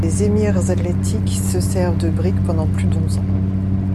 Des émirs athlétiques se servent de briques pendant plus d'onze ans.